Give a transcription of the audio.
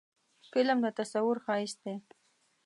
فلم د تصور ښایست دی